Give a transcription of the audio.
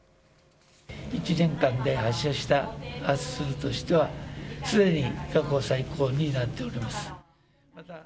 １年間で発射した発数としては、すでに過去最高になっております。